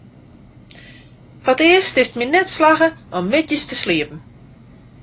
Foar it earst is it my net slagge om middeis te sliepen.